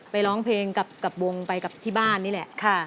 ร้องเพลงกับวงไปกับที่บ้านนี่แหละ